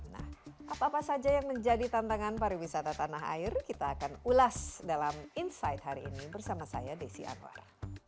nah apa apa saja yang menjadi tantangan pariwisata tanah air kita akan ulas dalam insight hari ini bersama saya desi anwar